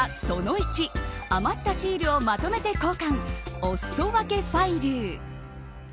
その１余ったシールを求めて交換おすそ分けファイル。